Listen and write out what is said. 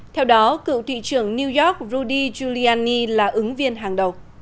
theo đó cựu thị trưởng new york rudy giuliani là ứng viên hàng